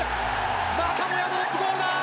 またもやドロップゴールだ！